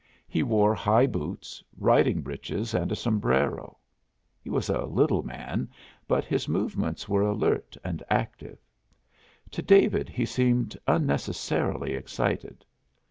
He wore high boots, riding breeches, and a sombrero. He was a little man, but his movements were alert and active. To David he seemed unnecessarily excited.